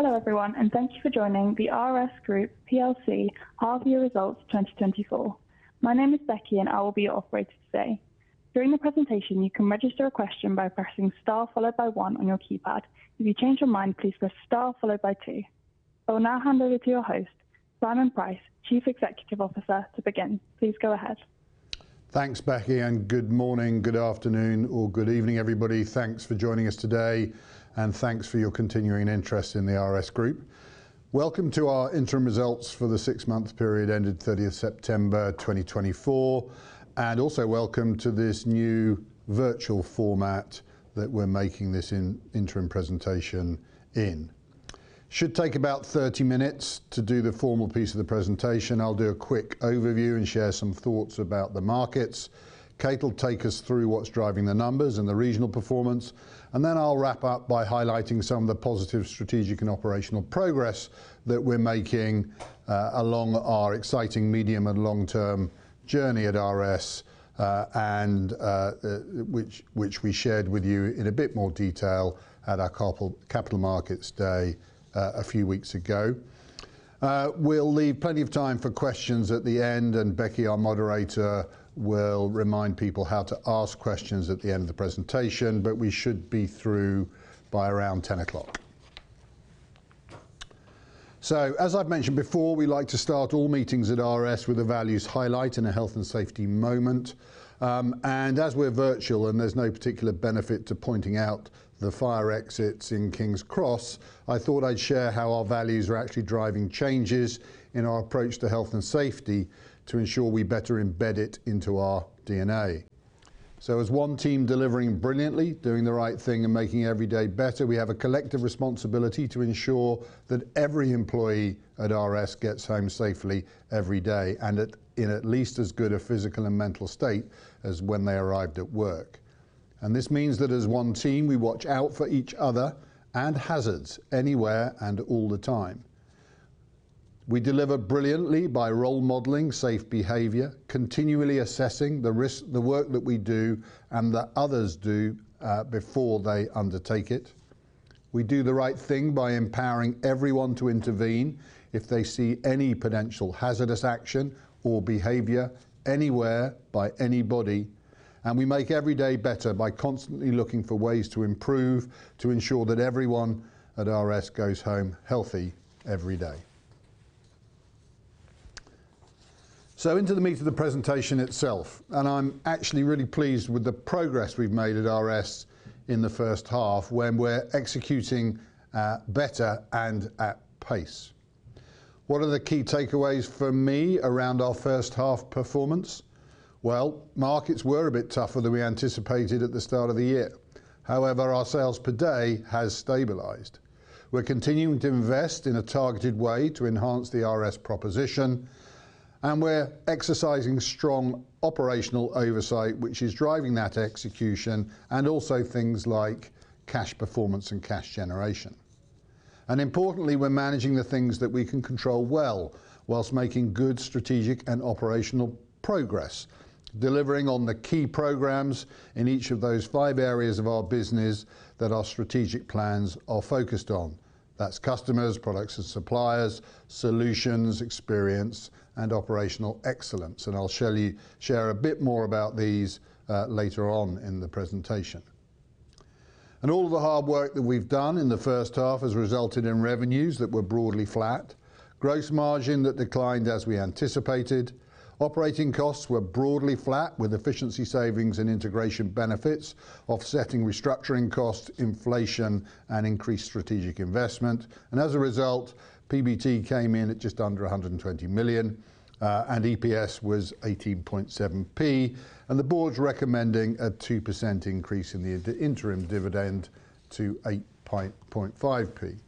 Hello everyone, and thank you for joining the RS Group PLC half-year results 2024. My name is Becky, and I will be your operator today. During the presentation, you can register a question by pressing star followed by one on your keypad. If you change your mind, please press star followed by two. I will now hand over to your host, Simon Pryce, Chief Executive Officer, to begin. Please go ahead. Thanks, Becky, and good morning, good afternoon, or good evening, everybody. Thanks for joining us today, and thanks for your continuing interest in the RS Group. Welcome to our interim results for the six-month period ended 30 September 2024, and also welcome to this new virtual format that we're making this interim presentation in. Should take about 30 minutes to do the formal piece of the presentation. I'll do a quick overview and share some thoughts about the markets. Kate will take us through what's driving the numbers and the regional performance, and then I'll wrap up by highlighting some of the positive strategic and operational progress that we're making along our exciting medium and long-term journey at RS, which we shared with you in a bit more detail at our Capital Markets Day a few weeks ago. We'll leave plenty of time for questions at the end, and Becky, our moderator, will remind people how to ask questions at the end of the presentation, but we should be through by around 10:00 A.M., so as I've mentioned before, we like to start all meetings at RS with a values highlight and a health and safety moment, and as we're virtual and there's no particular benefit to pointing out the fire exits in King's Cross, I thought I'd share how our values are actually driving changes in our approach to health and safety to ensure we better embed it into our DNA. As one team delivering brilliantly, doing the right thing and making every day better, we have a collective responsibility to ensure that every employee at RS gets home safely every day and in at least as good a physical and mental state as when they arrived at work. This means that as one team, we watch out for each other and hazards anywhere and all the time. We deliver brilliantly by role modelling, safe behaviour, continually assessing the work that we do and that others do before they undertake it. We do the right thing by empowering everyone to intervene if they see any potential hazardous action or behaviour anywhere by anybody. We make every day better by constantly looking for ways to improve, to ensure that everyone at RS goes home healthy every day. So, into the meat of the presentation itself, and I'm actually really pleased with the progress we've made at RS in the first half when we're executing better and at pace. What are the key takeaways for me around our first half performance? Well, markets were a bit tougher than we anticipated at the start of the year. However, our sales per day have stabilized. We're continuing to invest in a targeted way to enhance the RS proposition, and we're exercising strong operational oversight, which is driving that execution and also things like cash performance and cash generation. And importantly, we're managing the things that we can control well whilst making good strategic and operational progress, delivering on the key programs in each of those five areas of our business that our strategic plans are focused on. That's customers, products and suppliers, solutions, experience, and operational excellence. And I'll share a bit more about these later on in the presentation. And all of the hard work that we've done in the first half has resulted in revenues that were broadly flat, gross margin that declined as we anticipated, operating costs were broadly flat with efficiency savings and integration benefits, offsetting restructuring costs, inflation, and increased strategic investment. And as a result, PBT came in at just under 120 million, and EPS was 18.7p, and the board's recommending a 2% increase in the interim dividend to 8.5p.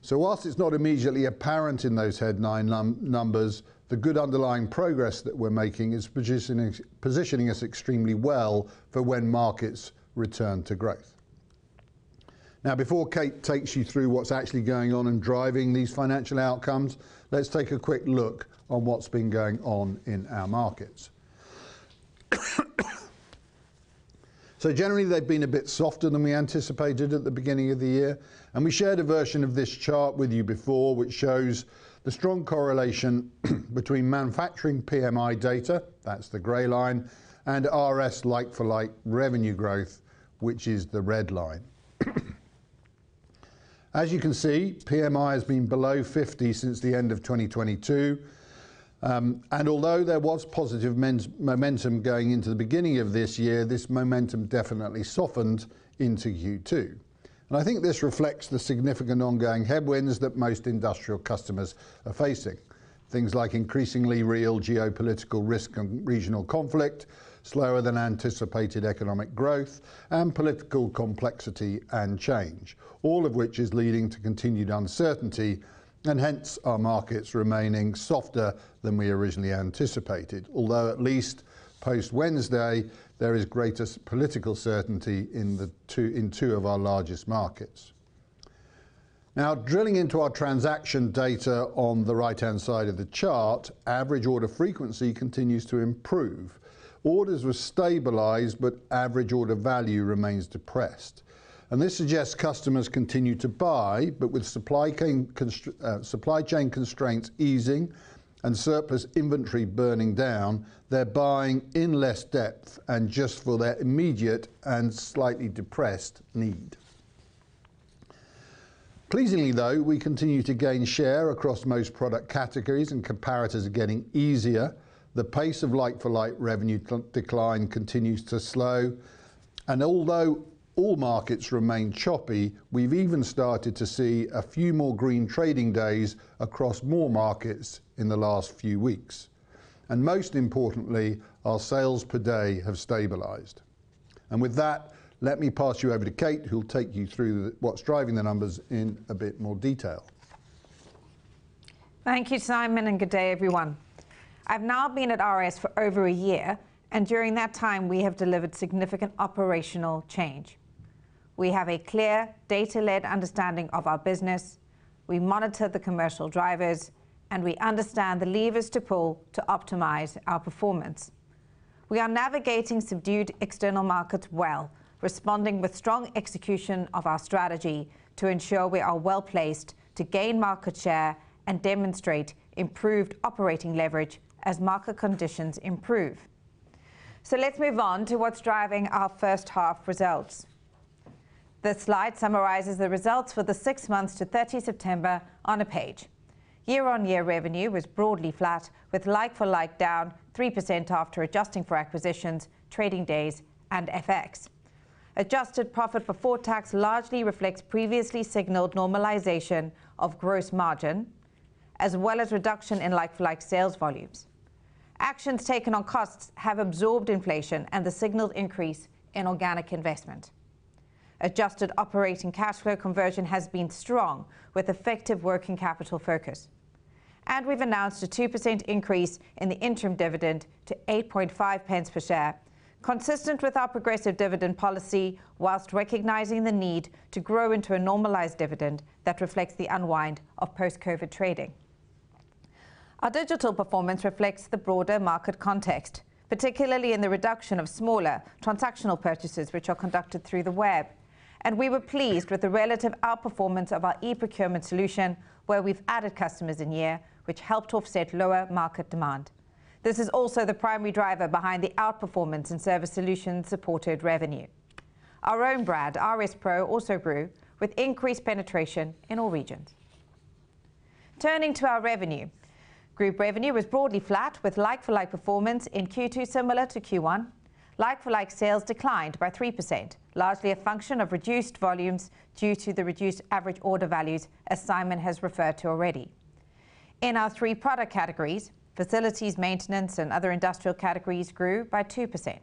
So, whilst it's not immediately apparent in those headline numbers, the good underlying progress that we're making is positioning us extremely well for when markets return to growth. Now, before Kate takes you through what's actually going on and driving these financial outcomes, let's take a quick look on what's been going on in our markets. So, generally, they've been a bit softer than we anticipated at the beginning of the year, and we shared a version of this chart with you before, which shows the strong correlation between manufacturing PMI data, that's the gray line, and RS like-for-like revenue growth, which is the red line. As you can see, PMI has been below 50 since the end of 2022, and although there was positive momentum going into the beginning of this year, this momentum definitely softened into Q2. And I think this reflects the significant ongoing headwinds that most industrial customers are facing, things like increasingly real geopolitical risk and regional conflict, slower than anticipated economic growth, and political complexity and change, all of which is leading to continued uncertainty, and hence our markets remaining softer than we originally anticipated, although at least post-Wednesday, there is greater political certainty in two of our largest markets. Now, drilling into our transaction data on the right-hand side of the chart, average order frequency continues to improve. Orders were stabilized, but average order value remains depressed, and this suggests customers continue to buy, but with supply chain constraints easing and surplus inventory burning down, they're buying in less depth and just for their immediate and slightly depressed need. Pleasingly, though, we continue to gain share across most product categories and comparators are getting easier. The pace of like-for-like revenue decline continues to slow, and although all markets remain choppy, we've even started to see a few more green trading days across more markets in the last few weeks, and most importantly, our sales per day have stabilized, and with that, let me pass you over to Kate, who'll take you through what's driving the numbers in a bit more detail. Thank you, Simon, and good day, everyone. I've now been at RS for over a year, and during that time, we have delivered significant operational change. We have a clear data-led understanding of our business. We monitor the commercial drivers, and we understand the levers to pull to optimize our performance. We are navigating subdued external markets well, responding with strong execution of our strategy to ensure we are well placed to gain market share and demonstrate improved operating leverage as market conditions improve. So, let's move on to what's driving our first half results. The slide summarizes the results for the six months to 30 September on a page. Year-on-year revenue was broadly flat, with like-for-like down 3% after adjusting for acquisitions, trading days, and FX. Adjusted profit before tax largely reflects previously signalled normalization of gross margin, as well as reduction in like-for-like sales volumes. Actions taken on costs have absorbed inflation and the signalled increase in organic investment. Adjusted operating cash flow conversion has been strong, with effective working capital focus. And we've announced a 2% increase in the interim dividend to 8.5 pence per share, consistent with our progressive dividend policy, whilst recognizing the need to grow into a normalized dividend that reflects the unwind of post-COVID trading. Our digital performance reflects the broader market context, particularly in the reduction of smaller transactional purchases, which are conducted through the web. And we were pleased with the relative outperformance of our e-procurement solution, where we've added customers in year, which helped offset lower market demand. This is also the primary driver behind the outperformance in service solutions supported revenue. Our own brand, RS PRO, also grew with increased penetration in all regions. Turning to our revenue, group revenue was broadly flat, with like-for-like performance in Q2 similar to Q1. Like-for-like sales declined by 3%, largely a function of reduced volumes due to the reduced average order values as Simon has referred to already. In our three product categories, facilities, maintenance, and other industrial categories grew by 2%.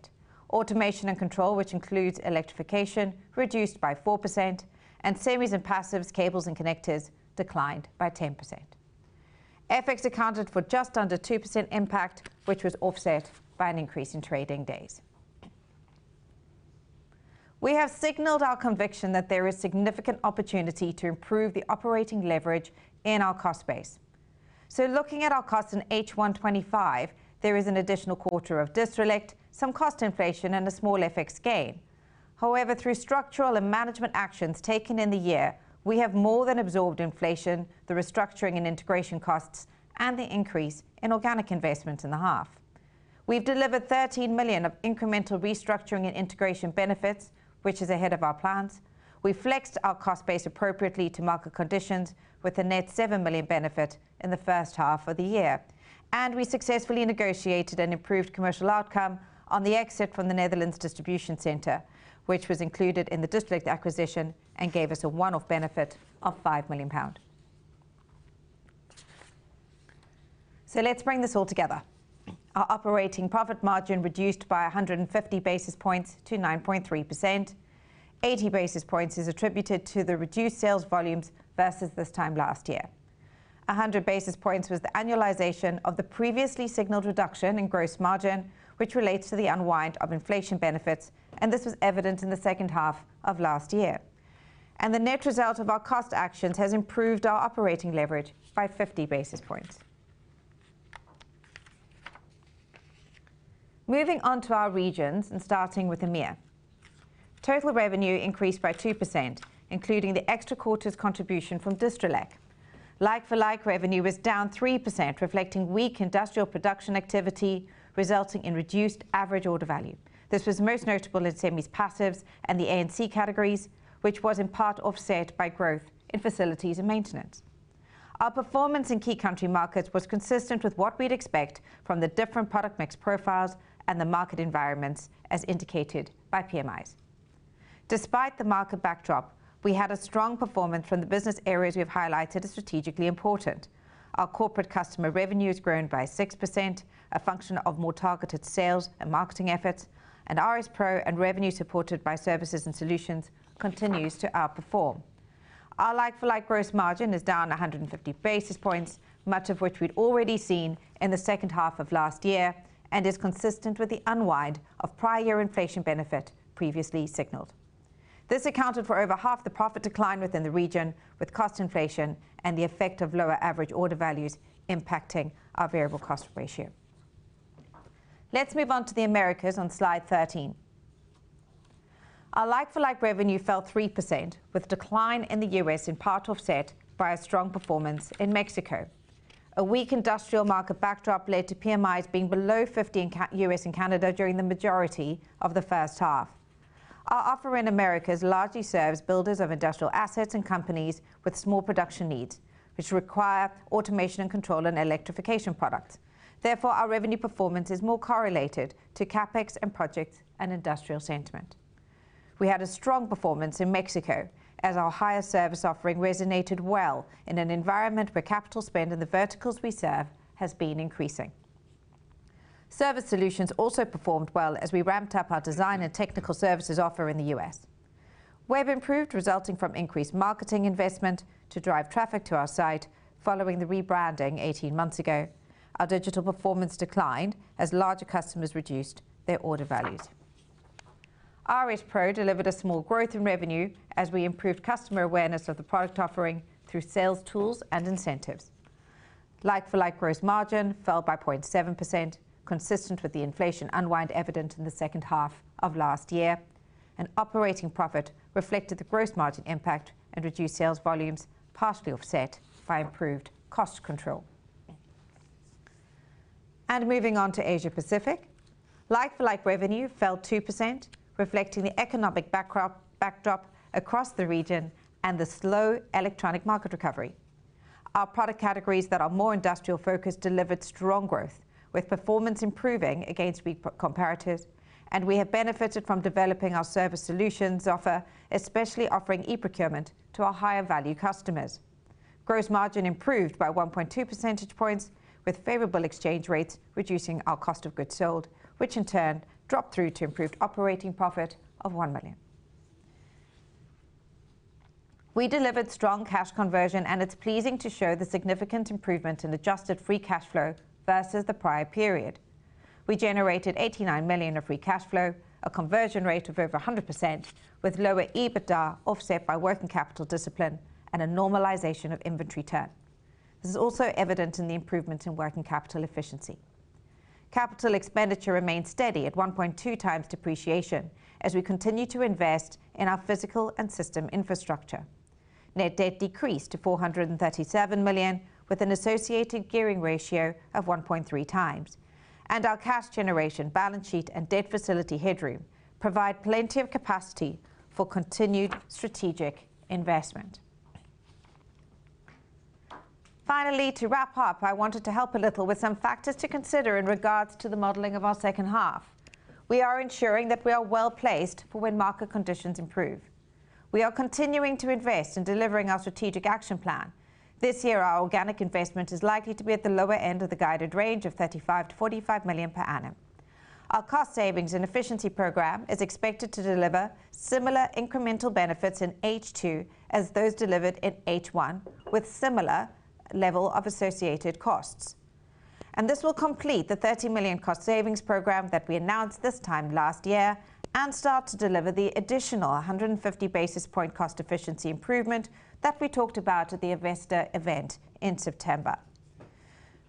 Automation and control, which includes electrification, reduced by 4%, and semis and passives, cables and connectors declined by 10%. FX accounted for just under 2% impact, which was offset by an increase in trading days. We have signalled our conviction that there is significant opportunity to improve the operating leverage in our cost base. So, looking at our costs in H125, there is an additional quarter of Distrelec, some cost inflation, and a small FX gain. However, through structural and management actions taken in the year, we have more than absorbed inflation, the restructuring and integration costs, and the increase in organic investments in the half. We've delivered 13 million of incremental restructuring and integration benefits, which is ahead of our plans. We flexed our cost base appropriately to market conditions, with a net 7 million benefit in the first half of the year. And we successfully negotiated an improved commercial outcome on the exit from the Netherlands distribution center, which was included in the Distrelec acquisition and gave us a one-off benefit of 5 million pounds. So, let's bring this all together. Our operating profit margin reduced by 150 basis points to 9.3%. 80 basis points is attributed to the reduced sales volumes versus this time last year. 100 basis points was the annualization of the previously signalled reduction in gross margin, which relates to the unwind of inflation benefits, and this was evident in the second half of last year. And the net result of our cost actions has improved our operating leverage by 50 basis points. Moving on to our regions and starting with EMEA. Total revenue increased by 2%, including the extra quarter's contribution from Distrelec. Like-for-like revenue was down 3%, reflecting weak industrial production activity, resulting in reduced average order value. This was most notable in semis, passives and the A&C categories, which was in part offset by growth in facilities and maintenance. Our performance in key country markets was consistent with what we'd expect from the different product mix profiles and the market environments as indicated by PMIs. Despite the market backdrop, we had a strong performance from the business areas we've highlighted as strategically important. Our corporate customer revenue has grown by 6%, a function of more targeted sales and marketing efforts, and RS Pro and revenue supported by services and solutions continues to outperform. Our like-for-like gross margin is down 150 basis points, much of which we'd already seen in the second half of last year, and is consistent with the unwind of prior year inflation benefit previously signalled. This accounted for over half the profit decline within the region, with cost inflation and the effect of lower average order values impacting our variable cost ratio. Let's move on to the Americas on slide 13. Our like-for-like revenue fell 3%, with a decline in the U.S. in part offset by a strong performance in Mexico. A weak industrial market backdrop led to PMIs being below 50 in U.S. and Canada during the majority of the first half. Our offer in America largely serves builders of industrial assets and companies with small production needs, which require automation and control and electrification products. Therefore, our revenue performance is more correlated to CapEx and projects and industrial sentiment. We had a strong performance in Mexico as our higher service offering resonated well in an environment where capital spend in the verticals we serve has been increasing. Service solutions also performed well as we ramped up our design and technical services offer in the U.S. We've improved, resulting from increased marketing investment to drive traffic to our site following the rebranding 18 months ago. Our digital performance declined as larger customers reduced their order values. RS PRO delivered a small growth in revenue as we improved customer awareness of the product offering through sales tools and incentives. Like-for-like gross margin fell by 0.7%, consistent with the inflation unwind evident in the second half of last year. And operating profit reflected the gross margin impact and reduced sales volumes, partially offset by improved cost control. And moving on to Asia Pacific, like-for-like revenue fell 2%, reflecting the economic backdrop across the region and the slow electronic market recovery. Our product categories that are more industrial focused delivered strong growth, with performance improving against weak comparators. And we have benefited from developing our service solutions offer, especially offering e-procurement to our higher value customers. Gross margin improved by 1.2 percentage points, with favourable exchange rates reducing our cost of goods sold, which in turn dropped through to improved operating profit of 1 million. We delivered strong cash conversion, and it's pleasing to show the significant improvement in adjusted free cash flow versus the prior period. We generated 89 million of free cash flow, a conversion rate of over 100%, with lower EBITDA offset by working capital discipline and a normalization of inventory turn. This is also evident in the improvement in working capital efficiency. Capital expenditure remained steady at 1.2 times depreciation as we continue to invest in our physical and system infrastructure. Net debt decreased to 437 million, with an associated gearing ratio of 1.3 times, and our cash generation balance sheet and debt facility headroom provide plenty of capacity for continued strategic investment. Finally, to wrap up, I wanted to help a little with some factors to consider in regards to the modelling of our second half. We are ensuring that we are well placed for when market conditions improve. We are continuing to invest in delivering our strategic action plan. This year, our organic investment is likely to be at the lower end of the guided range of 35 million-45 million per annum. Our cost savings and efficiency program is expected to deliver similar incremental benefits in H2 as those delivered in H1, with similar level of associated costs, and this will complete the 30 million cost savings program that we announced this time last year and start to deliver the additional 150 basis point cost efficiency improvement that we talked about at the investor event in September.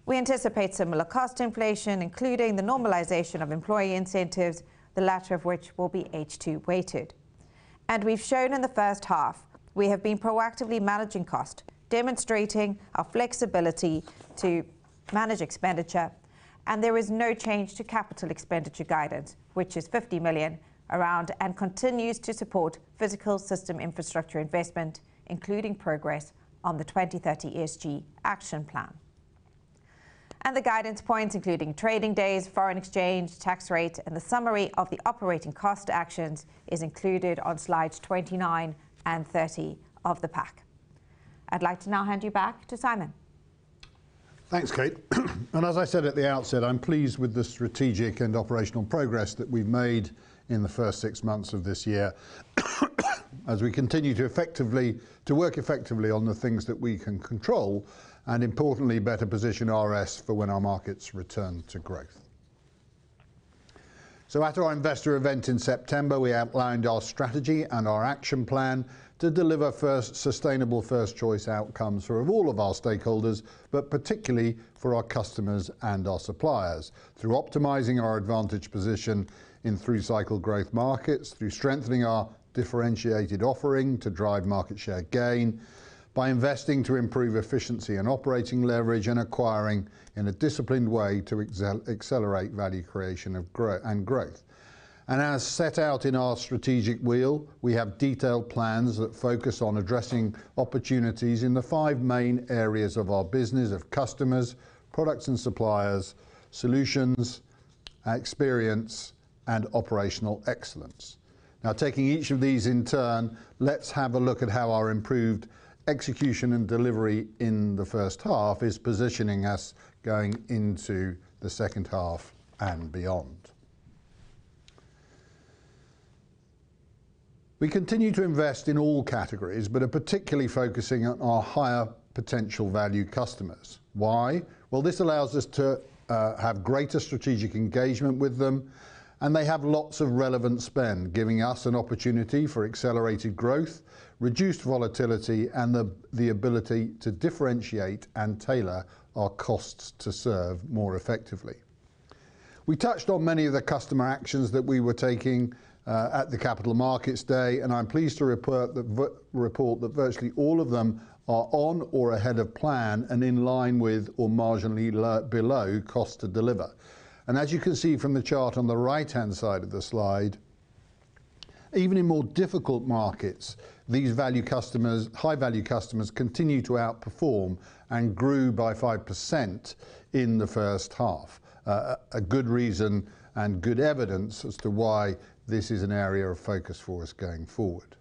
We anticipate similar cost inflation, including the normalization of employee incentives, the latter of which will be H2 weighted, and we've shown in the first half, we have been proactively managing cost, demonstrating our flexibility to manage expenditure. There is no change to capital expenditure guidance, which is 50 million and continues to support physical system infrastructure investment, including progress on the 2030 ESG action plan. The guidance points, including trading days, foreign exchange, tax rate, and the summary of the operating cost actions, is included on slides 29 and 30 of the pack. I'd like to now hand you back to Simon. Thanks, Kate. And as I said at the outset, I'm pleased with the strategic and operational progress that we've made in the first six months of this year as we continue to work effectively on the things that we can control and, importantly, better position RS for when our markets return to growth, so at our investor event in September, we outlined our strategy and our action plan to deliver sustainable first choice outcomes for all of our stakeholders, but particularly for our customers and our suppliers, through optimizing our advantage position in three-cycle growth markets, through strengthening our differentiated offering to drive market share gain, by investing to improve efficiency and operating leverage, and acquiring in a disciplined way to accelerate value creation and growth. As set out in our strategic wheel, we have detailed plans that focus on addressing opportunities in the five main areas of our business, of customers, products and suppliers, solutions, experience, and operational excellence. Now, taking each of these in turn, let's have a look at how our improved execution and delivery in the first half is positioning us going into the second half and beyond. We continue to invest in all categories, but are particularly focusing on our higher potential value customers. Why? Well, this allows us to have greater strategic engagement with them, and they have lots of relevant spend, giving us an opportunity for accelerated growth, reduced volatility, and the ability to differentiate and tailor our costs to serve more effectively. We touched on many of the customer actions that we were taking at the Capital Markets Day, and I'm pleased to report that virtually all of them are on or ahead of plan and in line with or marginally below cost to deliver, and as you can see from the chart on the right-hand side of the slide, even in more difficult markets, these high-value customers continue to outperform and grew by 5% in the first half. A good reason and good evidence as to why this is an area of focus for us going forward.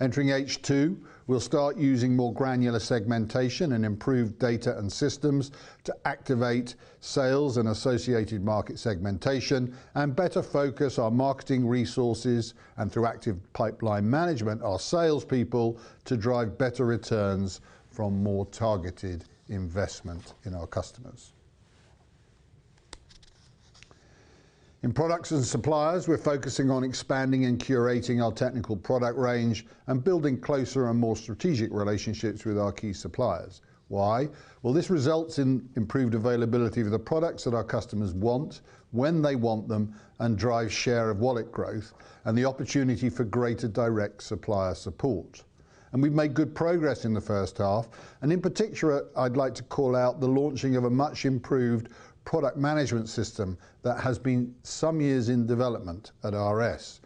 Entering H2, we'll start using more granular segmentation and improved data and systems to activate sales and associated market segmentation and better focus our marketing resources and, through active pipeline management, our salespeople to drive better returns from more targeted investment in our customers. In products and suppliers, we're focusing on expanding and curating our technical product range and building closer and more strategic relationships with our key suppliers. Why? Well, this results in improved availability of the products that our customers want when they want them and drives share of wallet growth and the opportunity for greater direct supplier support, and we've made good progress in the first half, and in particular, I'd like to call out the launching of a much improved product management system that has been some years in development at RS,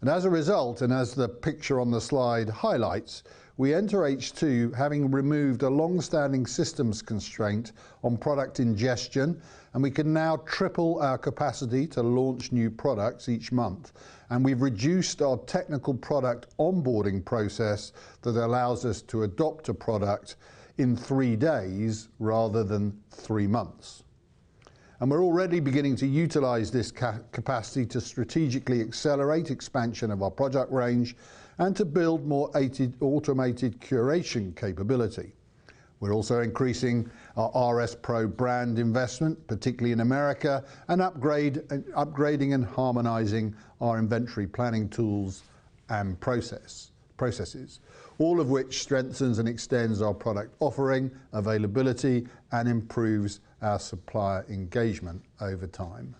and as a result, and as the picture on the slide highlights, we enter H2 having removed a long-standing systems constraint on product ingestion, and we can now triple our capacity to launch new products each month. And we've reduced our technical product onboarding process that allows us to adopt a product in three days rather than three months. And we're already beginning to utilize this capacity to strategically accelerate expansion of our product range and to build more automated curation capability. We're also increasing our RS PRO brand investment, particularly in Americas, and upgrading and harmonizing our inventory planning tools and processes, all of which strengthens and extends our product offering availability and improves our supplier engagement over time.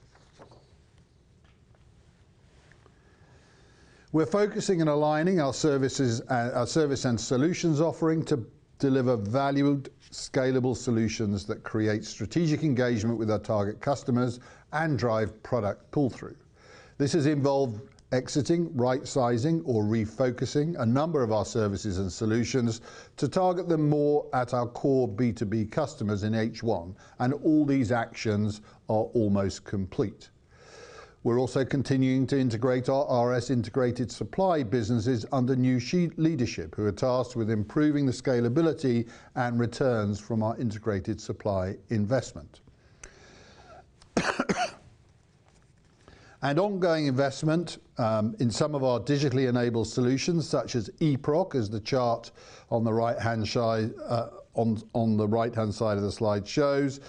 We're focusing and aligning our service and solutions offering to deliver valued, scalable solutions that create strategic engagement with our target customers and drive product pull-through. This has involved exiting, right-sizing, or refocusing a number of our services and solutions to target them more at our core B2B customers in H1, and all these actions are almost complete. We're also continuing to integrate our RS Integrated Supply businesses under new leadership who are tasked with improving the scalability and returns from our Integrated Supply investment, and ongoing investment in some of our digitally enabled solutions, such as eProc, as the chart on the right-hand side of the slide shows,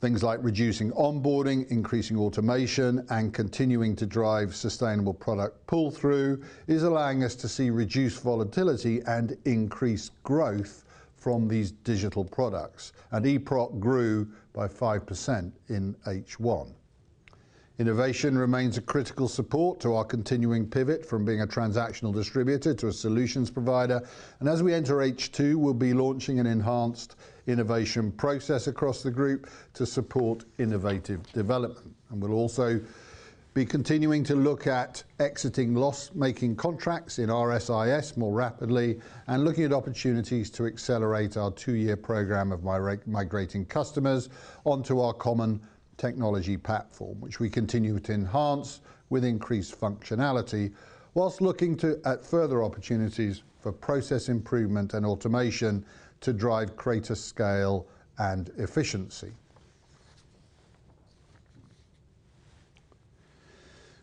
things like reducing onboarding, increasing automation, and continuing to drive sustainable product pull-through is allowing us to see reduced volatility and increased growth from these digital products, and eProc grew by 5% in H1. Innovation remains a critical support to our continuing pivot from being a transactional distributor to a solutions provider, and as we enter H2, we'll be launching an enhanced innovation process across the group to support innovative development. And we'll also be continuing to look at exiting loss-making contracts in RSIS more rapidly and looking at opportunities to accelerate our two-year program of migrating customers onto our common technology platform, which we continue to enhance with increased functionality whilst looking at further opportunities for process improvement and automation to drive greater scale and efficiency.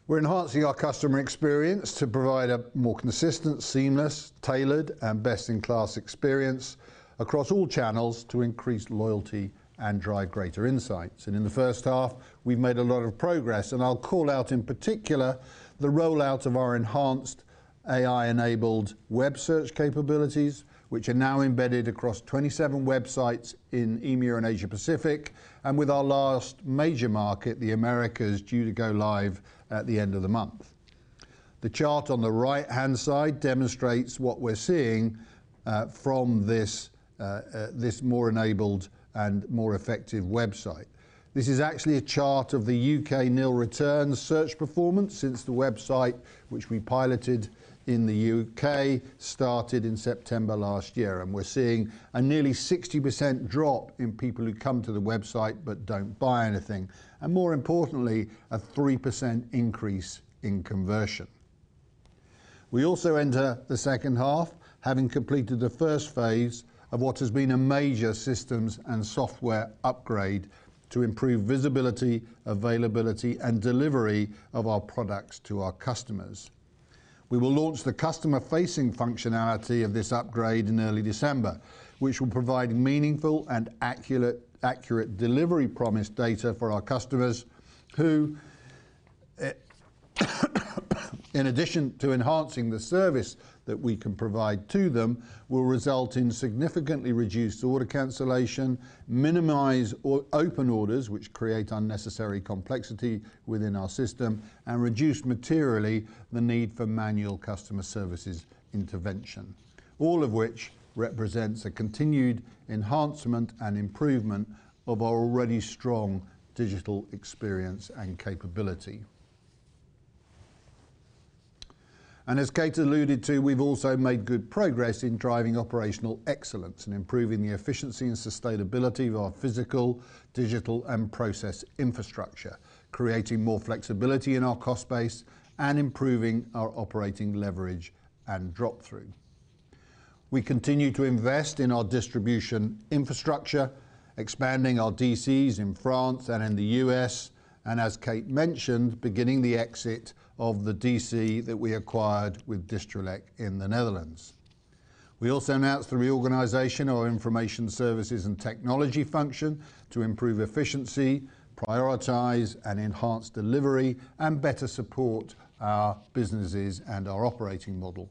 We're enhancing our customer experience to provide a more consistent, seamless, tailored, and best-in-class experience across all channels to increase loyalty and drive greater insights. And in the first half, we've made a lot of progress. And I'll call out in particular the rollout of our enhanced AI-enabled web search capabilities, which are now embedded across 27 websites in EMEA and Asia Pacific. And with our last major market, the Americas, due to go live at the end of the month. The chart on the right-hand side demonstrates what we're seeing from this more enabled and more effective website. This is actually a chart of the UK nil return search performance since the website, which we piloted in the UK, started in September last year, and we're seeing a nearly 60% drop in people who come to the website but don't buy anything, and more importantly, a 3% increase in conversion. We also enter the second half, having completed the first phase of what has been a major systems and software upgrade to improve visibility, availability, and delivery of our products to our customers. We will launch the customer-facing functionality of this upgrade in early December, which will provide meaningful and accurate delivery promise data for our customers, who, in addition to enhancing the service that we can provide to them, will result in significantly reduced order cancellation, minimize open orders, which create unnecessary complexity within our system, and reduce materially the need for manual customer services intervention, all of which represents a continued enhancement and improvement of our already strong digital experience and capability. And as Kate alluded to, we've also made good progress in driving operational excellence and improving the efficiency and sustainability of our physical, digital, and process infrastructure, creating more flexibility in our cost base and improving our operating leverage and drop-through. We continue to invest in our distribution infrastructure, expanding our DCs in France and in the U.S., and as Kate mentioned, beginning the exit of the DC that we acquired with Distrelec in the Netherlands. We also announced the reorganization of our information services and technology function to improve efficiency, prioritize, and enhance delivery, and better support our businesses and our operating model.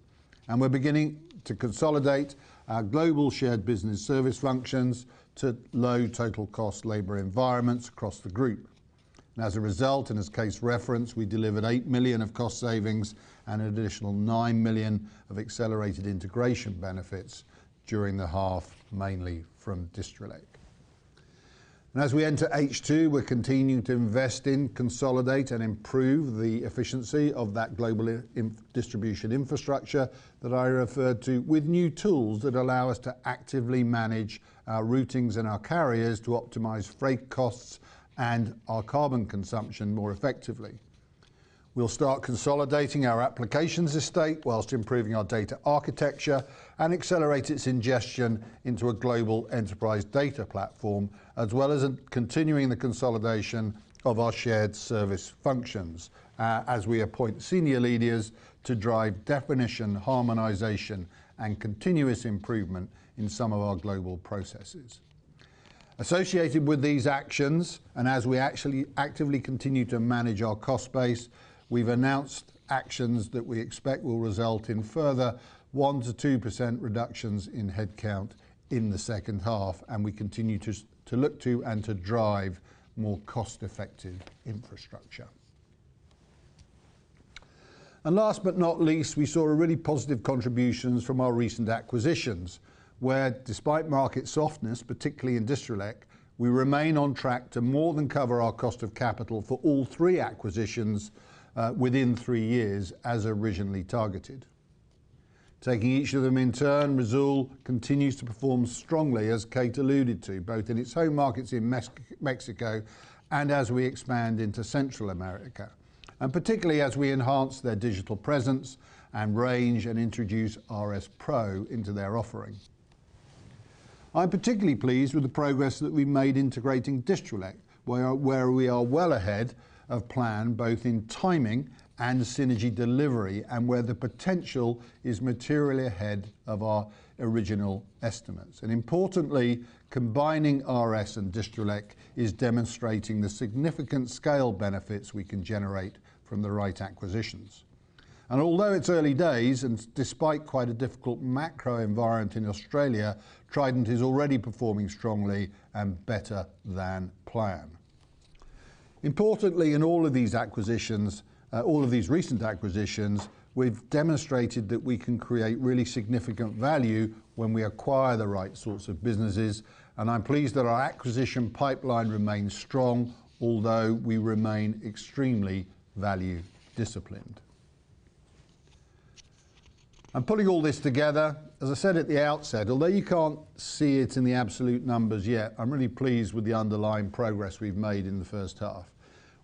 And we're beginning to consolidate our global shared business service functions to low total cost labor environments across the group. And as a result, and as Kate's reference, we delivered 8 million of cost savings and an additional 9 million of accelerated integration benefits during the half, mainly from Distrelec. As we enter H2, we're continuing to invest in, consolidate, and improve the efficiency of that global distribution infrastructure that I referred to with new tools that allow us to actively manage our routings and our carriers to optimize freight costs and our carbon consumption more effectively. We'll start consolidating our applications estate whilst improving our data architecture and accelerate its ingestion into a global enterprise data platform, as well as continuing the consolidation of our shared service functions as we appoint senior leaders to drive definition, harmonization, and continuous improvement in some of our global processes. Associated with these actions, and as we actually actively continue to manage our cost base, we've announced actions that we expect will result in further 1%-2% reductions in headcount in the second half, and we continue to look to and to drive more cost-effective infrastructure. And last but not least, we saw really positive contributions from our recent acquisitions where, despite market softness, particularly in Distrelec, we remain on track to more than cover our cost of capital for all three acquisitions within three years as originally targeted. Taking each of them in turn, Risoul continues to perform strongly, as Kate alluded to, both in its home markets in Mexico and as we expand into Central America, and particularly as we enhance their digital presence and range and introduce RS Pro into their offering. I'm particularly pleased with the progress that we've made integrating Distrelec, where we are well ahead of plan both in timing and synergy delivery, and where the potential is materially ahead of our original estimates. And importantly, combining RS and Distrelec is demonstrating the significant scale benefits we can generate from the right acquisitions. Although it's early days and despite quite a difficult macro environment in Australia, Trident is already performing strongly and better than planned. Importantly, in all of these acquisitions, all of these recent acquisitions, we've demonstrated that we can create really significant value when we acquire the right sorts of businesses. I'm pleased that our acquisition pipeline remains strong, although we remain extremely value disciplined. Putting all this together, as I said at the outset, although you can't see it in the absolute numbers yet, I'm really pleased with the underlying progress we've made in the first half.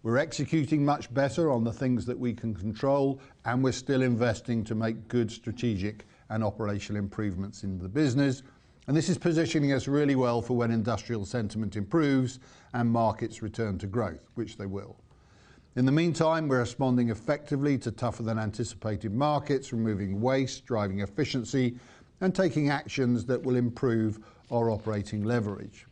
We're executing much better on the things that we can control, and we're still investing to make good strategic and operational improvements in the business. This is positioning us really well for when industrial sentiment improves and markets return to growth, which they will. In the meantime, we're responding effectively to tougher-than-anticipated markets, removing waste, driving efficiency, and taking actions that will improve our operating leverage.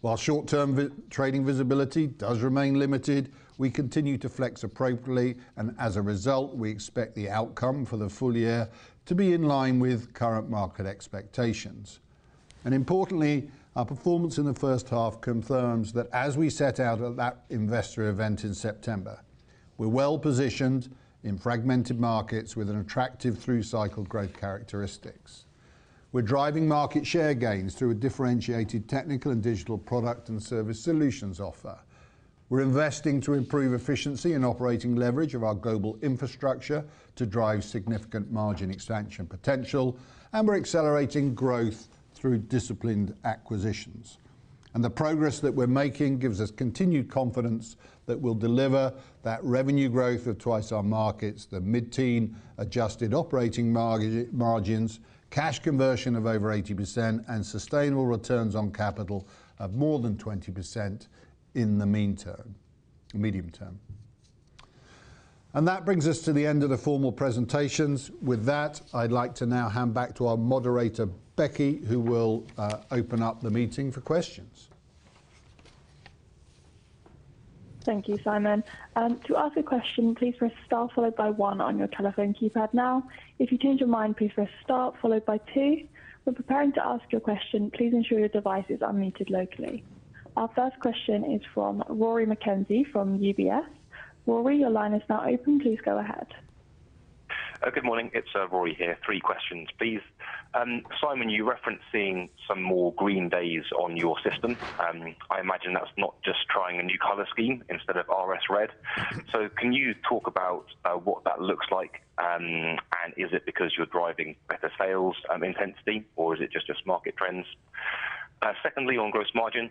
While short-term trading visibility does remain limited, we continue to flex appropriately. And as a result, we expect the outcome for the full year to be in line with current market expectations. And importantly, our performance in the first half confirms that as we set out at that investor event in September, we're well positioned in fragmented markets with attractive through-cycle growth characteristics. We're driving market share gains through a differentiated technical and digital product and service solutions offer. We're investing to improve efficiency and operating leverage of our global infrastructure to drive significant margin expansion potential, and we're accelerating growth through disciplined acquisitions. The progress that we're making gives us continued confidence that we'll deliver that revenue growth of twice our markets, the mid-teen adjusted operating margins, cash conversion of over 80%, and sustainable returns on capital of more than 20% in the medium term. That brings us to the end of the formal presentations. With that, I'd like to now hand back to our moderator, Becky, who will open up the meeting for questions. Thank you, Simon. To ask a question, please press Star followed by 1 on your telephone keypad now. If you change your mind, please press Star followed by 2. We're preparing to ask your question. Please ensure your device is unmuted locally. Our first question is from Rory McKenzie from UBS. Rory, your line is now open. Please go ahead. Good morning. It's Rory here. Three questions, please. Simon, you referenced seeing some more green days on your system. I imagine that's not just trying a new color scheme instead of RS Red. So can you talk about what that looks like? And is it because you're driving better sales intensity, or is it just market trends? Secondly, on gross margin,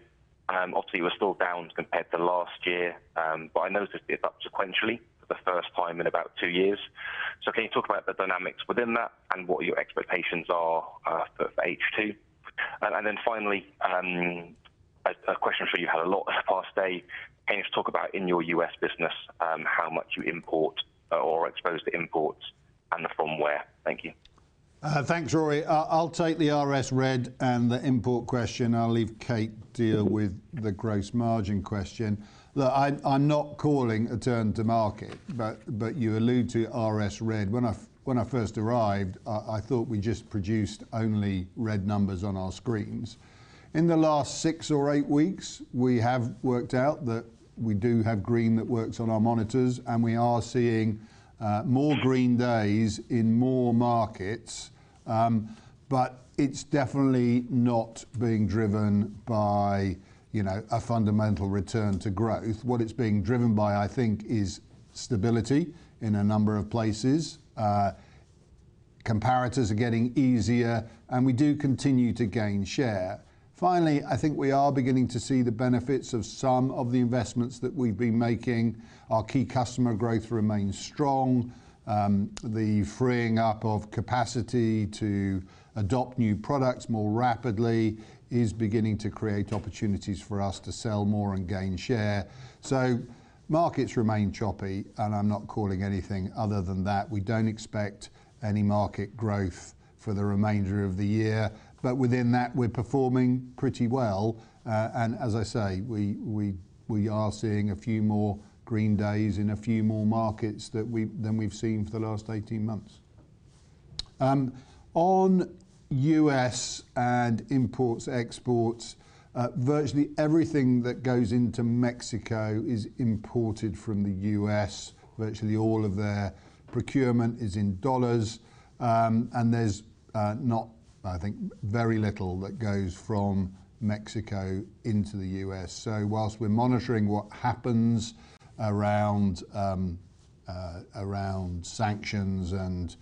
obviously, we're still down compared to last year, but I noticed the uptick sequentially for the first time in about two years. So can you talk about the dynamics within that and what your expectations are for H2? And then finally, a question I'm sure you've had a lot in the past day, can you talk about in your US business how much you import or are exposed to imports and from where? Thank you. Thanks, Rory. I'll take the RS red and the import question. I'll leave Kate to deal with the gross margin question. Look, I'm not calling a turn to market, but you allude to RS red. When I first arrived, I thought we just produced only red numbers on our screens. In the last six or eight weeks, we have worked out that we do have green that works on our monitors, and we are seeing more green days in more markets. But it's definitely not being driven by a fundamental return to growth. What it's being driven by, I think, is stability in a number of places. Comparators are getting easier, and we do continue to gain share. Finally, I think we are beginning to see the benefits of some of the investments that we've been making. Our key customer growth remains strong. The freeing up of capacity to adopt new products more rapidly is beginning to create opportunities for us to sell more and gain share. So markets remain choppy, and I'm not calling anything other than that. We don't expect any market growth for the remainder of the year. But within that, we're performing pretty well. And as I say, we are seeing a few more green days in a few more markets than we've seen for the last 18 months. On U.S. and imports, exports, virtually everything that goes into Mexico is imported from the U.S. Virtually all of their procurement is in dollars. And there's not, I think, very little that goes from Mexico into the U.S. So whilst we're monitoring what happens around sanctions and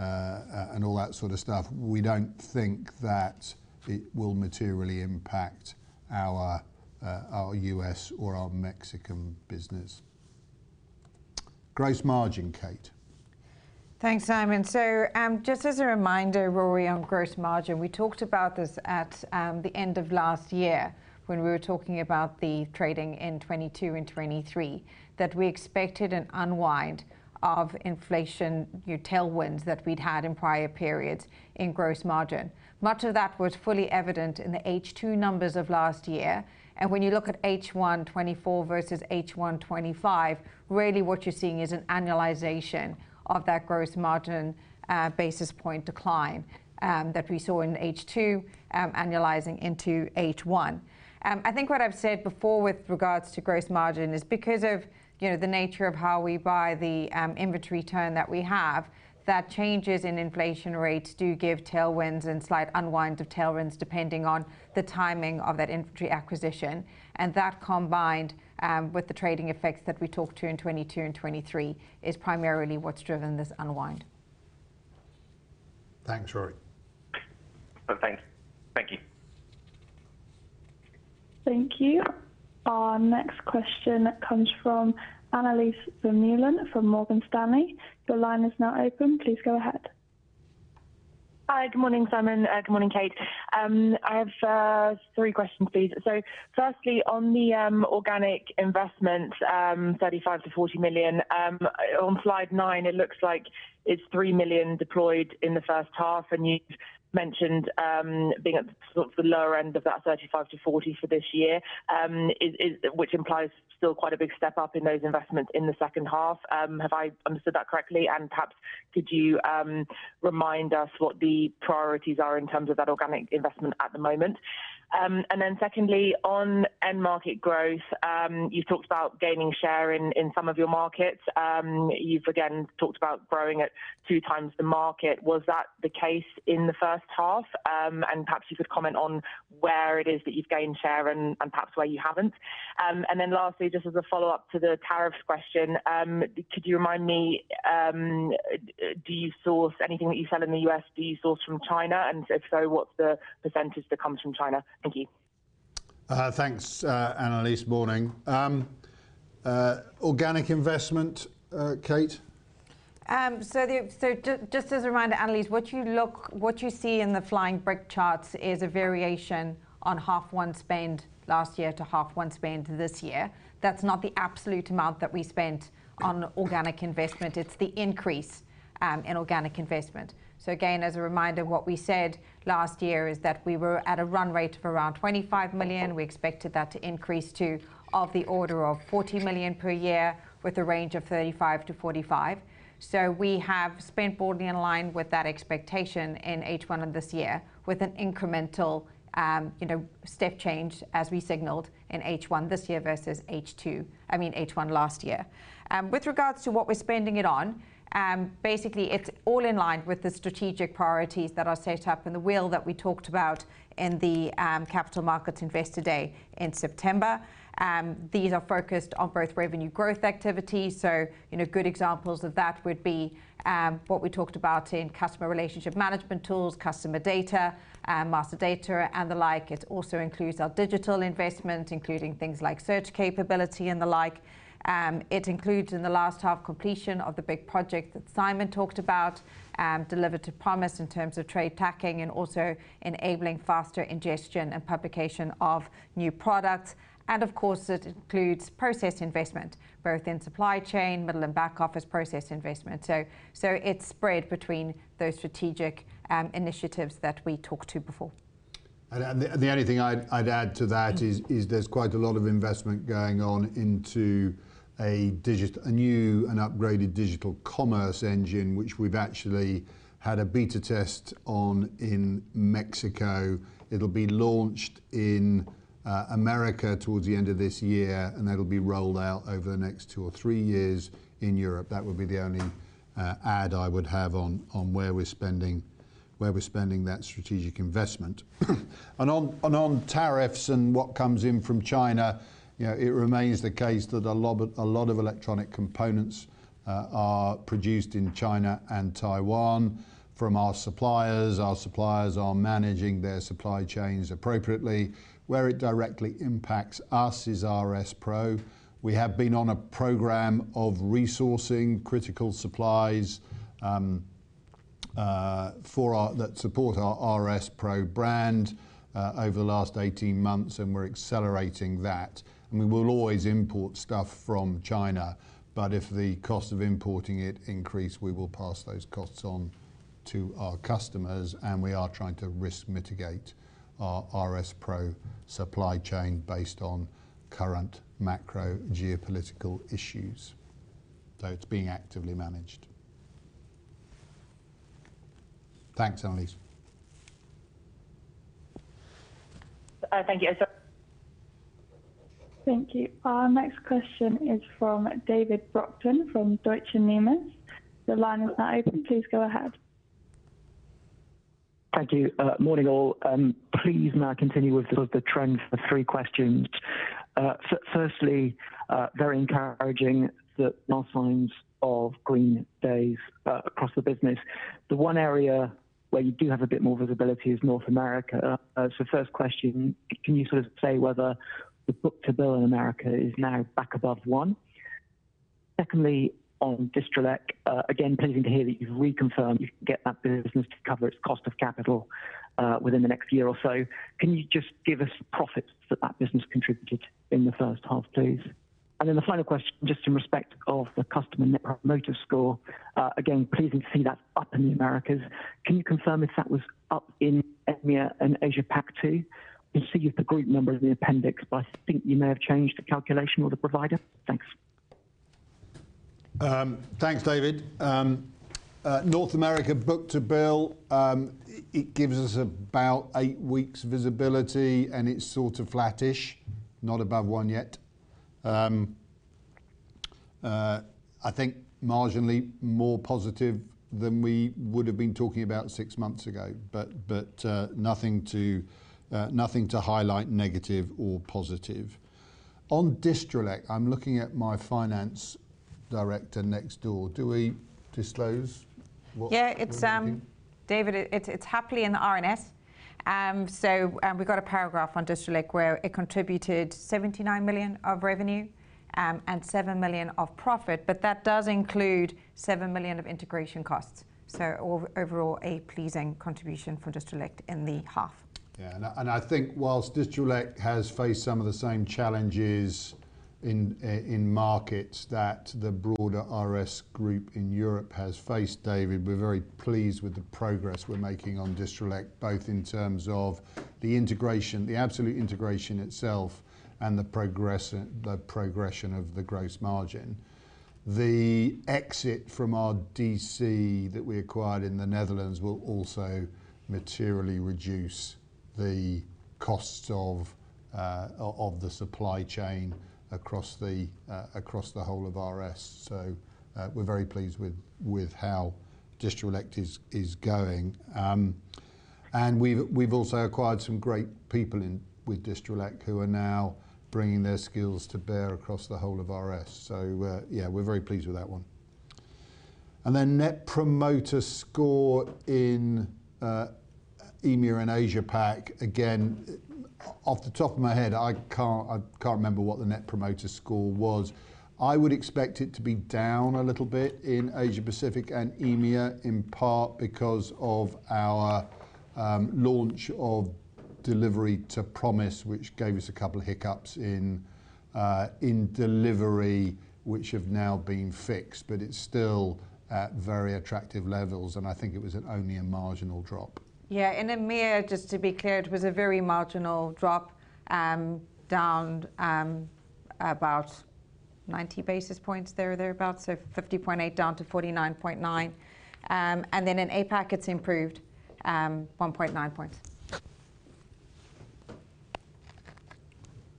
all that sort of stuff, we don't think that it will materially impact our U.S. or our Mexican business. Gross margin, Kate. Thanks, Simon. So just as a reminder, Rory, on gross margin, we talked about this at the end of last year when we were talking about the trading in 2022 and 2023, that we expected an unwind of inflation tailwinds that we'd had in prior periods in gross margin. Much of that was fully evident in the H2 numbers of last year. And when you look at H1 24 versus H1 25, really what you're seeing is an annualization of that gross margin basis point decline that we saw in H2 annualizing into H1. I think what I've said before with regards to gross margin is because of the nature of how we buy the inventory turn that we have, that changes in inflation rates do give tailwinds and slight unwinds of tailwinds depending on the timing of that inventory acquisition. That combined with the trading effects that we talked to in 2022 and 2023 is primarily what's driven this unwind. Thanks, Rory. Thanks. Thank you. Thank you. Our next question comes from Anneliese Vermeulen from Morgan Stanley. Your line is now open. Please go ahead. Hi, good morning, Simon. Good morning, Kate. I have three questions, please. So firstly, on the organic investment, 35-40 million, on slide nine, it looks like it's 3 million deployed in the first half. And you've mentioned being at the lower end of that 35-40 million for this year, which implies still quite a big step up in those investments in the second half. Have I understood that correctly? And perhaps could you remind us what the priorities are in terms of that organic investment at the moment? And then secondly, on end market growth, you've talked about gaining share in some of your markets. You've again talked about growing at two times the market. Was that the case in the first half? And perhaps you could comment on where it is that you've gained share and perhaps where you haven't? And then lastly, just as a follow-up to the tariffs question, could you remind me, do you source anything that you sell in the U.S.? Do you source from China? And if so, what's the percentage that comes from China? Thank you. Thanks, Anneliese. Morning. Organic investment, Kate? Just as a reminder, Anneliese, what you see in the flying brick charts is a variation on H1 spend last year to H1 spend this year. That's not the absolute amount that we spent on organic investment. It's the increase in organic investment. Just as a reminder, what we said last year is that we were at a run rate of around 25 million. We expected that to increase to the order of 40 million per year with a range of 35 million to 45 million. We have spent broadly in line with that expectation in H1 of this year with an incremental step change as we signalled in H1 this year versus H2, I mean, H1 last year. With regards to what we're spending it on, basically, it's all in line with the strategic priorities that are set out in the wheel that we talked about in the Capital Markets Day in September. These are focused on both revenue growth activities. So good examples of that would be what we talked about in customer relationship management tools, customer data, master data, and the like. It also includes our digital investment, including things like search capability and the like. It includes in the last half completion of the big project that Simon talked about, delivered to promise in terms of trade tracking and also enabling faster ingestion and publication of new products. And of course, it includes process investment, both in supply chain, middle, and back office process investment. So it's spread between those strategic initiatives that we talked about before. The only thing I'd add to that is there's quite a lot of investment going on into a new and upgraded digital commerce engine, which we've actually had a beta test on in Mexico. It'll be launched in Americas towards the end of this year, and that'll be rolled out over the next two or three years in Europe. That would be the only add I would have on where we're spending that strategic investment. And on tariffs and what comes in from China, it remains the case that a lot of electronic components are produced in China and Taiwan from our suppliers. Our suppliers are managing their supply chains appropriately. Where it directly impacts us is RS Pro. We have been on a program of resourcing critical supplies that support our RS Pro brand over the last 18 months, and we're accelerating that. And we will always import stuff from China. But if the cost of importing it increased, we will pass those costs on to our customers. And we are trying to risk mitigate our RS PRO supply chain based on current macro geopolitical issues. So it's being actively managed. Thanks, Anneliese. Thank you. Thank you. Our next question is from David Brockton from Deutsche Numis. The line is now open. Please go ahead. Thank you. Morning all. Please now continue with the trend for three questions. Firstly, very encouraging that. Signs of green days across the business. The one area where you do have a bit more visibility is North America. So first question, can you sort of say whether the book-to-bill in America is now back above one? Secondly, on Distrelec, again, pleasing to hear that you've reconfirmed you can get that business to cover its cost of capital within the next year or so. Can you just give us profits that that business contributed in the first half, please? And then the final question, just in respect of the customer Net Promoter Score. Again, pleasing to see that's up in the Americas. Can you confirm if that was up in EMEA and Asia Pac too? You see the group number in the appendix, but I think you may have changed the calculation or the provider. Thanks. Thanks, David. North America book-to-bill, it gives us about eight weeks visibility, and it's sort of flattish, not above one yet. I think marginally more positive than we would have been talking about six months ago, but nothing to highlight negative or positive. On Distrelec, I'm looking at my finance director next door. Do we disclose what's happening? Yeah, David, it's happily in the RS's. So we've got a paragraph on Distrelec where it contributed 79 million of revenue and 7 million of profit, but that does include 7 million of integration costs. So overall, a pleasing contribution for Distrelec in the half. Yeah. And I think whilst Distrelec has faced some of the same challenges in markets that the broader RS Group in Europe has faced, David, we're very pleased with the progress we're making on Distrelec, both in terms of the integration, the absolute integration itself, and the progression of the gross margin. The exit from our DC that we acquired in the Netherlands will also materially reduce the costs of the supply chain across the whole of RS. So we're very pleased with how Distrelec is going. And we've also acquired some great people with Distrelec who are now bringing their skills to bear across the whole of RS. So yeah, we're very pleased with that one. And then Net Promoter Score in EMEA and Asia Pac, again, off the top of my head, I can't remember what the Net Promoter Score was. I would expect it to be down a little bit in Asia Pacific and EMEA in part because of our launch of Delivery to Promise, which gave us a couple of hiccups in delivery, which have now been fixed, but it's still at very attractive levels, and I think it was only a marginal drop. Yeah. In EMEA, just to be clear, it was a very marginal drop down about 90 basis points there, thereabouts, so 50.8 down to 49.9. And then in APAC, it's improved 1.9 points.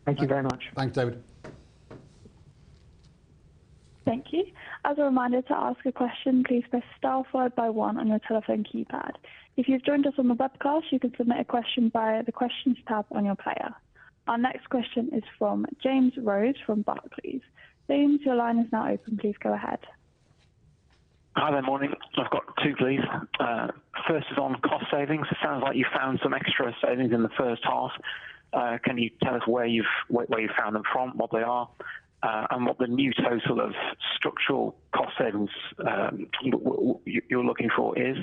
Thank you very much. Thanks, David. Thank you. As a reminder to ask a question, please press star forward by one on your telephone keypad. If you've joined us on the webcast, you can submit a question via the questions tab on your player. Our next question is from James Rose from Barclays. James, your line is now open. Please go ahead. Hi, good morning. I've got two, please. First is on cost savings. It sounds like you found some extra savings in the first half. Can you tell us where you've found them from, what they are, and what the new total of structural cost savings you're looking for is?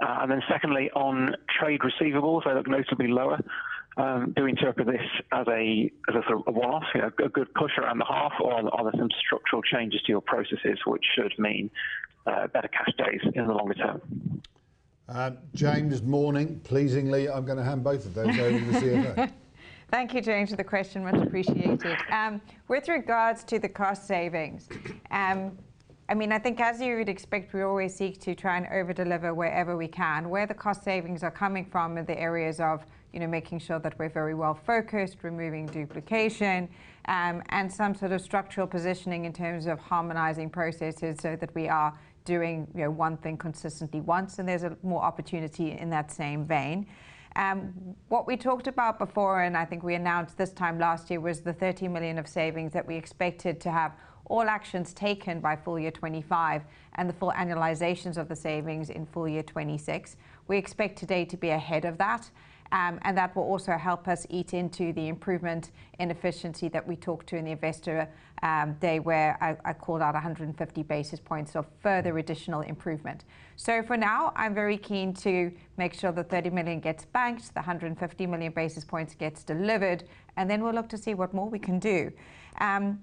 And then secondly, on trade receivables, they look notably lower. Do we interpret this as a sort of a one-off, a good push around the half, or are there some structural changes to your processes which should mean better cash days in the longer term? James, morning. Pleasingly, I'm going to hand both of those over to CFO. Thank you, James, for the question. Much appreciated. With regards to the cost savings, I mean, I think as you would expect, we always seek to try and overdeliver wherever we can. Where the cost savings are coming from are the areas of making sure that we're very well focused, removing duplication, and some sort of structural positioning in terms of harmonizing processes so that we are doing one thing consistently once, and there's more opportunity in that same vein. What we talked about before, and I think we announced this time last year, was the 30 million of savings that we expected to have all actions taken by full year 2025 and the full annualizations of the savings in full year 2026. We expect today to be ahead of that. That will also help us eat into the improvement in efficiency that we talked to in the investor day where I called out 150 basis points of further additional improvement. For now, I'm very keen to make sure the 30 million gets banked, the 150 basis points gets delivered, and then we'll look to see what more we can do.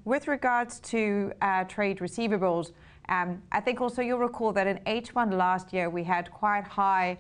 With regards to trade receivables, I think also you'll recall that in H1 last year, we had quite high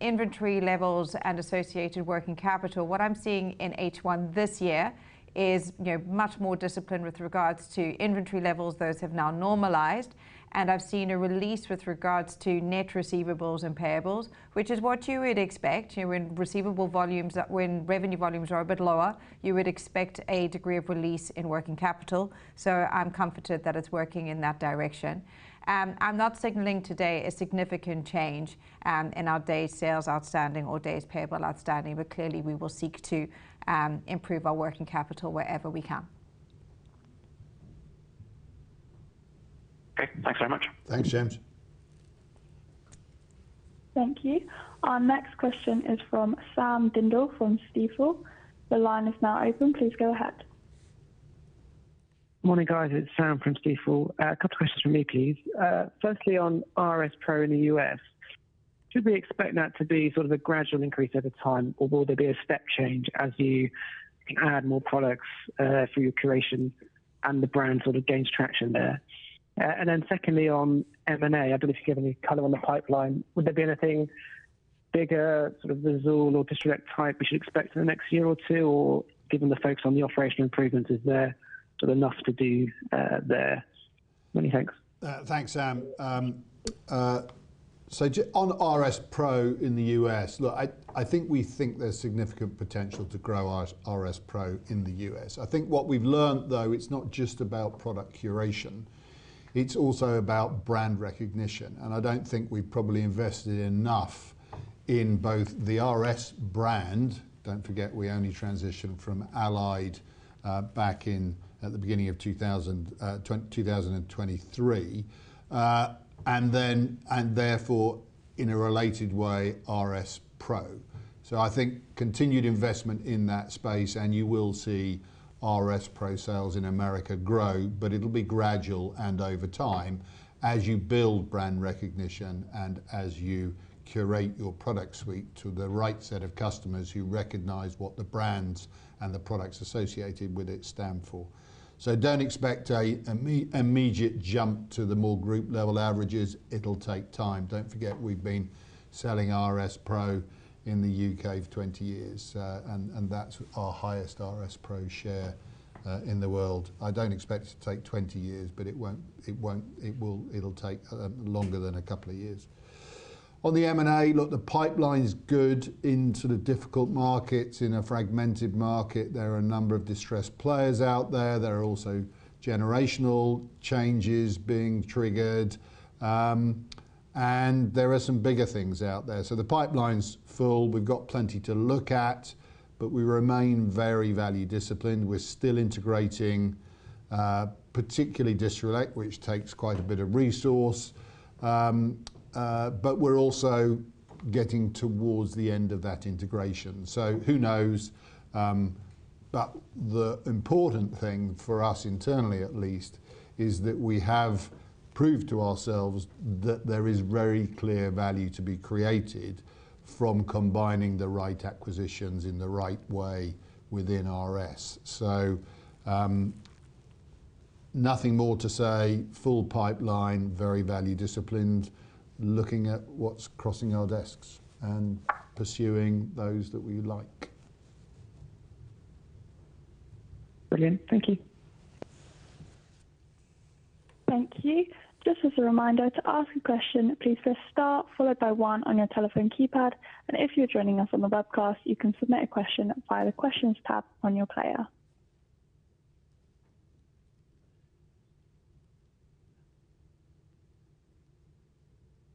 inventory levels and associated working capital. What I'm seeing in H1 this year is much more discipline with regards to inventory levels. Those have now normalized. I've seen a release with regards to net receivables and payables, which is what you would expect. When revenue volumes are a bit lower, you would expect a degree of release in working capital. I'm comforted that it's working in that direction. I'm not signaling today a significant change in our days sales outstanding or days payable outstanding, but clearly we will seek to improve our working capital wherever we can. Okay. Thanks very much. Thanks, James. Thank you. Our next question is from Sam Dindol from Stifel. The line is now open. Please go ahead. Morning, guys. It's Sam from Stifel. A couple of questions from me, please. Firstly, on RS PRO in the US, should we expect that to be sort of a gradual increase over time, or will there be a step change as you add more products for your curation and the brand sort of gains traction there? And then secondly, on M&A, I believe you've given me color on the pipeline. Would there be anything bigger, sort of the Risoul or Distrelec type we should expect in the next year or two, or given the focus on the operational improvements, is there sort of enough to do there? Many thanks. Thanks, Sam. So on RS Pro in the US, look, I think we think there's significant potential to grow RS Pro in the US. I think what we've learned, though, it's not just about product curation. It's also about brand recognition. And I don't think we've probably invested enough in both the RS brand. Don't forget we only transitioned from Allied back in at the beginning of 2023, and therefore, in a related way, RS Pro. So I think continued investment in that space, and you will see RS Pro sales in America grow, but it'll be gradual and over time as you build brand recognition and as you curate your product suite to the right set of customers who recognize what the brands and the products associated with it stand for. So don't expect an immediate jump to the more group-level averages. It'll take time. Don't forget we've been selling RS Pro in the U.K. for 20 years, and that's our highest RS Pro share in the world. I don't expect it to take 20 years, but it will take longer than a couple of years. On the M&A, look, the pipeline's good in sort of difficult markets, in a fragmented market. There are a number of distressed players out there. There are also generational changes being triggered. And there are some bigger things out there. So the pipeline's full. We've got plenty to look at, but we remain very value disciplined. We're still integrating, particularly Distrelec, which takes quite a bit of resource. But we're also getting towards the end of that integration. So who knows? But the important thing for us internally, at least, is that we have proved to ourselves that there is very clear value to be created from combining the right acquisitions in the right way within RS. So nothing more to say. Full pipeline, very value disciplined, looking at what's crossing our desks and pursuing those that we like. Brilliant. Thank you. Thank you. Just as a reminder, to ask a question, please press star followed by one on your telephone keypad. And if you're joining us on the webcast, you can submit a question via the questions tab on your player.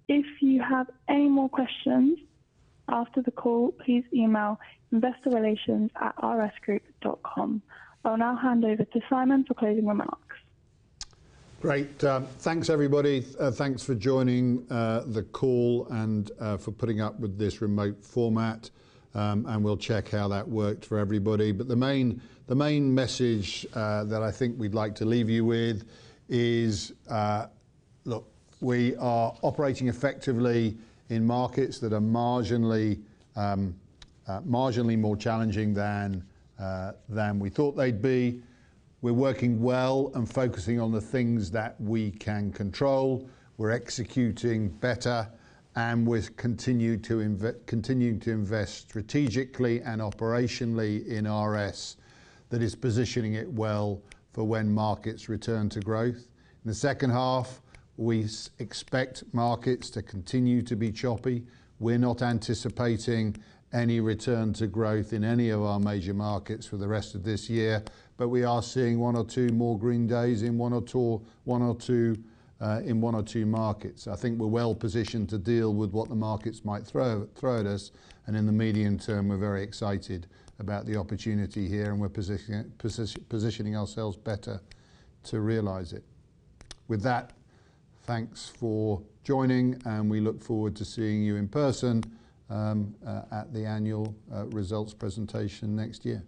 If you have any more questions after the call, please email investorrelations@rsgroup.com. I'll now hand over to Simon for closing remarks. Great. Thanks, everybody. Thanks for joining the call and for putting up with this remote format, and we'll check how that worked for everybody, but the main message that I think we'd like to leave you with is, look, we are operating effectively in markets that are marginally more challenging than we thought they'd be. We're working well and focusing on the things that we can control. We're executing better, and we're continuing to invest strategically and operationally in RS that is positioning it well for when markets return to growth. In the second half, we expect markets to continue to be choppy. We're not anticipating any return to growth in any of our major markets for the rest of this year, but we are seeing one or two more green days in one or two markets. I think we're well positioned to deal with what the markets might throw at us, and in the medium term, we're very excited about the opportunity here, and we're positioning ourselves better to realize it. With that, thanks for joining, and we look forward to seeing you in person at the annual results presentation next year.